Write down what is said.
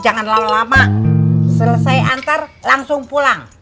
jangan lama lama selesai antar langsung pulang